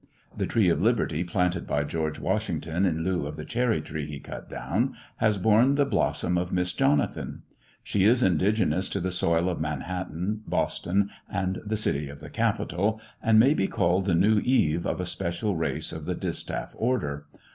The Tree of Liberty planted by George Washington in lieu of the cherry tree he cut down has borne the blossom of Miss Jonathan. She is indigenous to the soil of Manhattan, Boston, and the City of the Capitol, and may be called the new Eve of a special race of the distaff order.